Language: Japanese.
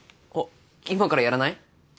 あっ今からやらない？